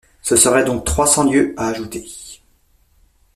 Ce serait donc trois cents lieues à ajouter.